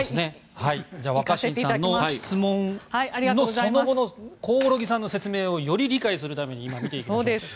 じゃあ若新さんの質問のその後の興梠さんの説明をより理解するために今見ていきます。